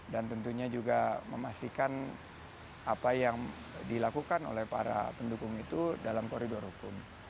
dan tentunya juga memastikan apa yang dilakukan oleh para pendukung itu dalam koridor hukum